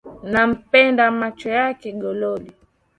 Napenda macho yako gololi